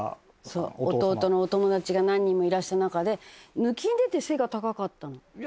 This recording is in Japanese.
そう弟のお友達が何人もいらした中で抜きん出て背が高かったの良純君。